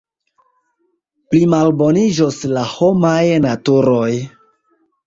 Plimalboniĝos la homaj naturoj.